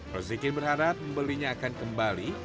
rosikin berharap membelinya akan kembali